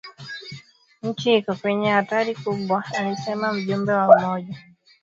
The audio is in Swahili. nchi iko kwenye hatari kubwa alisema mjumbe wa Umoja wa Afrika Mohamed Lebatt